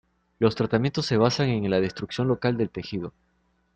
Los tratamientos se basan en la destrucción local del tejido.